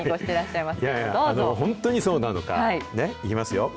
いやいや、本当にそうなのか、いきますよ。